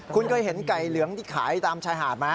คุณเคยเห็นไก่เหลืองที่ขายตามชายหาดไหม